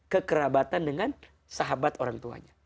ke kerabatan dengan sahabat orang tuanya